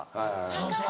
そうそう。